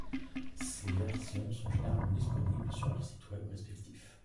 Ces versions sont généralement disponibles sur leurs sites Web respectifs.